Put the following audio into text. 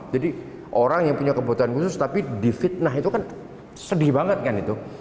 jadi orang yang punya kebutuhan khusus tapi divitnah itu kan sedih banget kan itu